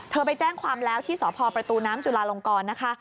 ไปแจ้งความแล้วที่สพประตูน้ำจุลาลงกรนะคะ